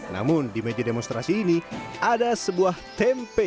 namun di meja demonstrasi ini ada sebuah tempe